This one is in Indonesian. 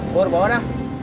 pur apa orang